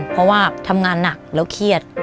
เพราะว่าทำงานหนักแล้วเครียด